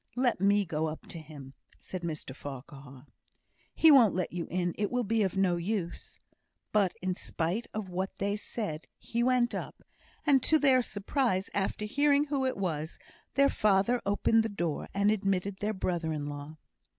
"Let me go up to him," said Mr Farquhar. "He won't let you in. It will be of no use." But in spite of what they said, he went up; and to their surprise, after hearing who it was, their father opened the door, and admitted their brother in law.